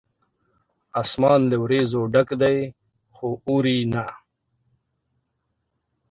اسمان له وریځو ډک دی ، خو اوري نه